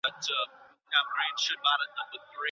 د لاس لیکنه د زیار او خوارۍ محصول دی.